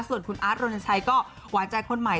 ส่วนคุณอาร์ตโรนชัยก็หวานใจคนใหม่